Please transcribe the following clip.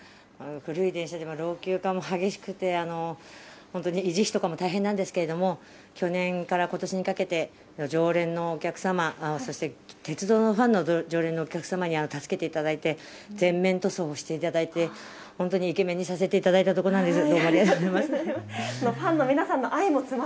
古い電車で老朽化も激しくて維持費も大変なんですけれども去年からことしにかけて常連のお客様、鉄道のファンのお客様に助けていただいて全面塗装をしていただいて本当にイケメンにさせていただいたところなんです。